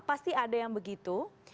pasti ada yang begitu